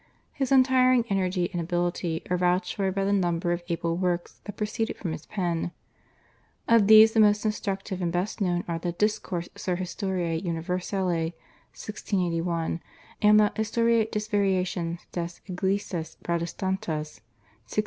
His untiring energy and ability are vouched for by the number of able works that proceeded from his pen. Of these the most instructive and best known are the /Discours sur l'histoire Universelle/ (1681), and the /Histoire des Variations des Eglises Protestantes/ (1688 89).